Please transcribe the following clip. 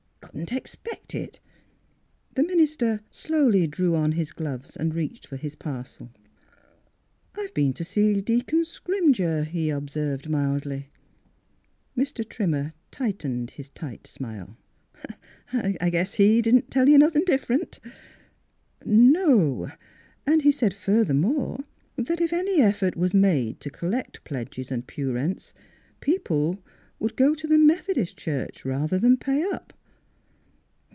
You couldn't expect it." The minister slowly drew on his gloves and reached for his parcel. " I've been to see Deacon Scrimger," he observed mildly. Mr. Trimmer smiled his tight smile. " I guess he didn't tell you nothing dif ferent? "" No. And he said furthermore that if any effort was made to collect pledges and pew rents people would go to the Metho dist Church rather than pay up."